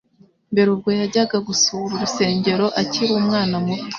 Mbere ubwo yajyaga gusura urusengero akiri umwana muto